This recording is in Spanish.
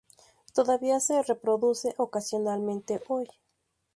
Todavía se reproduce ocasionalmente hoy.